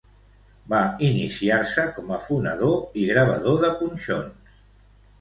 Va iniciar-se com a fonedor i gravador de punxons.